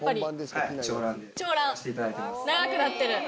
長くなってる！